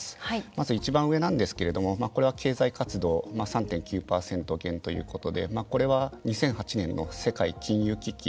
まず一番上なんですけどもこれは経済活動３．９％減ということで２００８年の世界金融危機